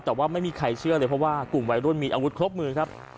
แต่ว่าไม่มีใครเชื่อเลยเพราะว่ากลุ่มวัยรุ่นมีอาวุธครบมือครับ